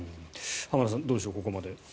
浜田さん、どうでしょうここまで。